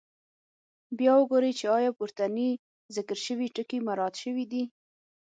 بیا وګورئ چې آیا پورتني ذکر شوي ټکي مراعات شوي دي.